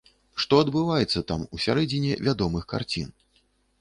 Што адбываецца там, у сярэдзіне вядомых карцін?